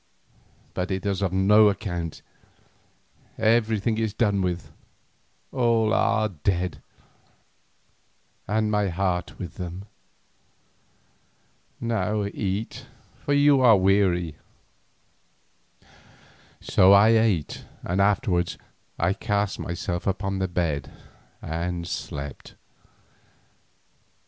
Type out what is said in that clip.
But it is of no account; everything is done with, all are dead, and my heart with them. Now eat, for you are weary." So I ate, and afterwards I cast myself upon the bed and slept.